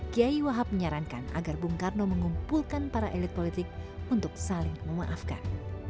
kiai wahab menyarankan agar bung karno mengumpulkan para elit politik untuk saling memaafkan